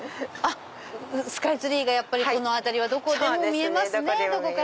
スカイツリーがこの辺りはどこでも見えますね。